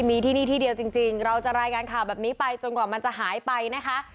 มีที่นี่ที่เดียวจริงเราจะรายงานข่าวแบบนี้ไปจนกว่ามันจะหายไปนะคะ